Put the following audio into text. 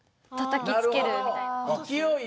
勢いよく。